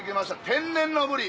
天然のブリ！